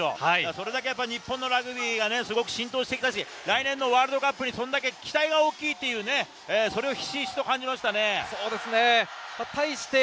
それだけ日本のラグビーがすごく浸透してきたし、来年のワールドカップにそれだけ期待が大きいっていうそれをひしひしと感じましたね。